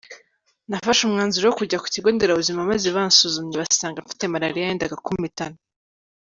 Nafashe umwanzuro wo kujya ku kigo Nderabuzima maze bansuzumye basanga mfite maraliya yendaga kumpitana.